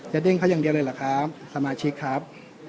เด้งเขาอย่างเดียวเลยเหรอครับสมาชิกครับ